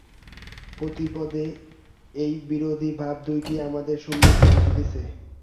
প্রতিপদে এই বিরোধী ভাব-দুইটি আমাদের সম্মুখে আসিতেছে।